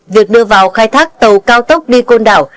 việc đưa vào khai thác tàu cao tốc đi côn đảo